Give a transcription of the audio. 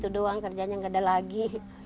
dan kerjaan yang tidak ada lagi